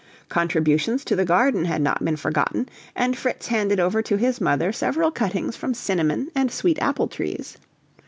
Contributions to the garden had not been forgotten, and Fritz handed over to his mother several cuttings from cinnamon and sweet apple trees.